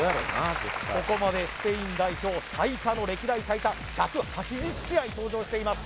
ここまでスペイン代表最多の歴代最多１８０試合登場しています